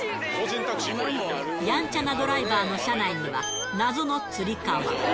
やんちゃなドライバーの車内には、謎のつり革。